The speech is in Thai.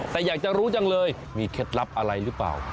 แต่อยากจะรู้จังเลยมีเคล็ดลับอะไรหรือเปล่า